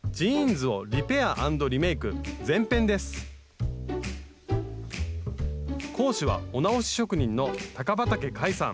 今回は講師はお直し職人の高畠海さん。